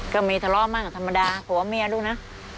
ก็มีทะเลาะมั่งธรรมดาผัวเมียดูนะ